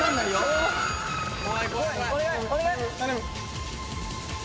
お願い！